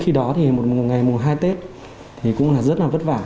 khi đó thì một ngày mùa hai tết thì cũng là rất là vất vả